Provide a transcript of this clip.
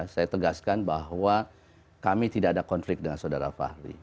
saya tegaskan bahwa kami tidak ada konflik dengan saudara fahri